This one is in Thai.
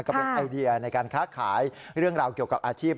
ก็เป็นไอเดียในการค้าขายเรื่องราวเกี่ยวกับอาชีพ